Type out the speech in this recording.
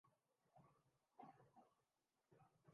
ہماری سیاست موقع پرستی اور بے اصولی سے عبارت ہے۔